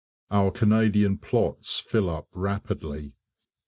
Our Canadian plots fill up rapidly.